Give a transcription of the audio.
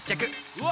うわ！